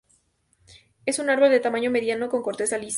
Es un árbol de tamaño mediano, con corteza lisa.